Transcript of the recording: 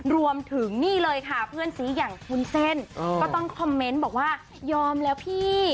รวมถึงนี่เลยค่ะเพื่อนสีอย่างวุ้นเส้นก็ต้องคอมเมนต์บอกว่ายอมแล้วพี่